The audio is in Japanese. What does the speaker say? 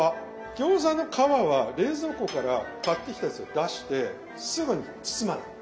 餃子の皮は冷蔵庫から買ってきたやつを出してすぐに包まない。